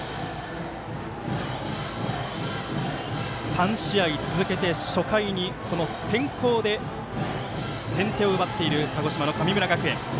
３試合続けて初回に先攻で先手を奪っている鹿児島の神村学園。